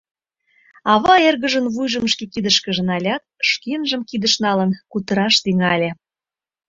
Ава эргыжын вуйжым шке кидышкыже налят, шкенжым кидыш налын, кутыраш тӱҥале: